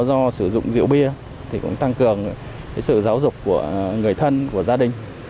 do sử dụng rượu bia tăng cường sự giáo dục của người thân gia đình